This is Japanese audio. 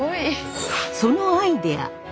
そのアイデア。